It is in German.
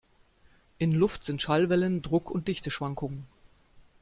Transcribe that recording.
In Luft sind Schallwellen Druck- und Dichteschwankungen.